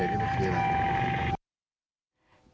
ไม่ขายไปใกล้เลยนี่มันคิดไหม